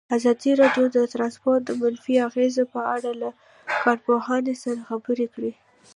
ازادي راډیو د ترانسپورټ د منفي اغېزو په اړه له کارپوهانو سره خبرې کړي.